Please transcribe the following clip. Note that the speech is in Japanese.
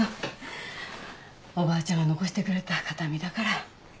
おばあちゃんが残してくれた形見だから。